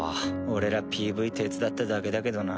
俺らＰＶ手伝っただけだけどな。